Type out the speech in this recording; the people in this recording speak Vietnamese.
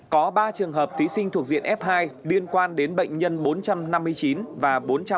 có ba trường hợp thí sinh thuộc diện f hai điên quan đến bệnh nhân bốn trăm năm mươi chín và bốn trăm bốn mươi bảy